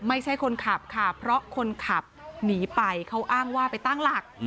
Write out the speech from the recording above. คนขับค่ะเพราะคนขับหนีไปเขาอ้างว่าไปตั้งหลัก